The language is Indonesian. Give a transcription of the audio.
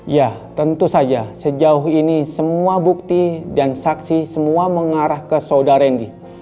ya tentu saja sejauh ini semua bukti dan saksi semua mengarah ke saudara hendy